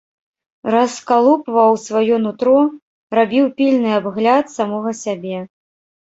Раскалупваў сваё нутро, рабіў пільны абгляд самога сябе.